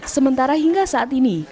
sementara hingga saat ini